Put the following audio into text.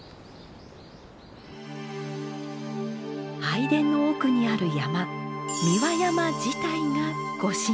拝殿の奥にある山三輪山自体がご神体です。